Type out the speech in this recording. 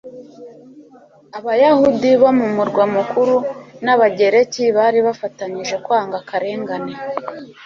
abayahudi bo mu murwa mukuru n'abagereki bari bafatanyije kwanga akarengane